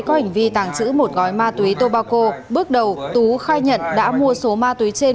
có hành vi tàng trữ một gói ma túy tobacco bước đầu tú khai nhận đã mua số ma túy trên